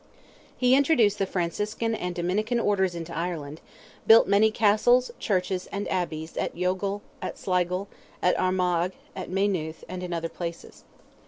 He introduced the Franciscan and Dominican orders into Ireland, built many castles, churches, and abbeys at Youghal, at Sligo, at Armagh, at Maynooth, and in other places.